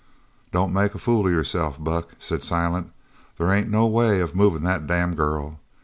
"Don't make a fool of yourself, Buck," said Silent. "There ain't no way of movin' that damn girl.